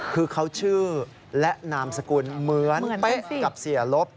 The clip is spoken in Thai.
คือเขาชื่อและนามสกุลเหมือนเป๊ะกับเสียลบ